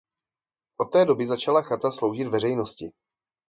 Od té doby začala chata sloužit veřejnosti.